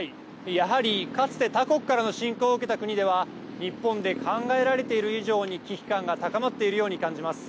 やはりかつて他国からの侵攻を受けた国では日本で考えられている以上に危機感が高まっているように感じます。